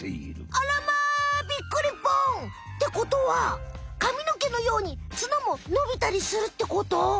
あらまびっくりぽん！ってことはかみのけのように角ものびたりするってこと？